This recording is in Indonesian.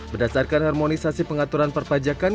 berdasarkan harmonisasi pengaturan perpajakan